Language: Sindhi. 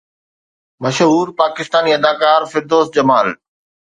مشهور پاڪستاني اداڪار فردوس جمال